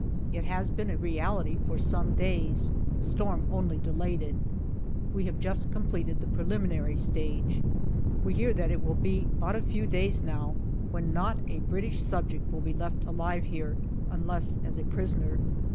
It has been a reality for some days. The storm only delayed it. We have just completed the preliminary stage. We hear that it will be but a few days now when not a British subject will be left alive here unless as a prisoner.